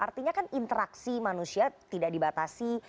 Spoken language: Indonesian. artinya kan interaksi manusia tidak dibatasi